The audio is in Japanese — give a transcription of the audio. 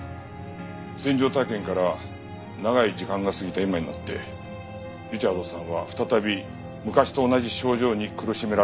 戦場体験から長い時間が過ぎた今になってリチャードさんは再び昔と同じ症状に苦しめられるようになった。